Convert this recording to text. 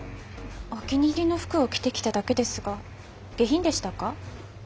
お気に入りの服を着てきただけですが下品でしたか？